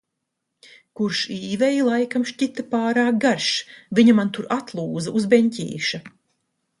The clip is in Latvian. Kurš Īvei laikam šķita pārāk garš, viņa man tur atlūza uz beņķīša.